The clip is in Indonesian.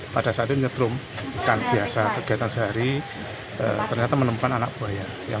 pada saat itu nyetrum ikan biasa kegiatan sehari ternyata menemukan anak buaya